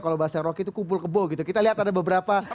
kalau bahasa rocky itu kumpul kebo gitu kita lihat ada beberapa